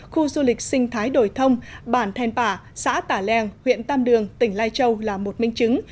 khu du lịch sinh thái đổi thông bản thèn bả xã tả leng huyện tam đường tỉnh lai châu là một minh chứng